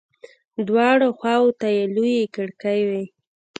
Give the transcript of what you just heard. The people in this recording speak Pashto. دواړو خواو ته يې لويې کړکۍ وې.